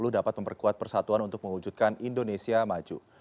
dapat memperkuat persatuan untuk mewujudkan indonesia maju